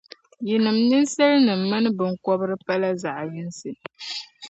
Yinim’ ninsalinima mini binkɔbiri pala zaɣi yiŋsi.